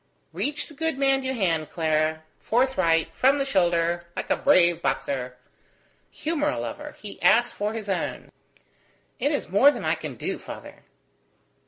"Reach the good man your hand, my girl; forthright, from the shoulder, like a brave boxer. Humour a lover. He asks for his own." "It is more than I can do, father."